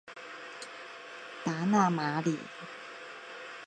达讷马里。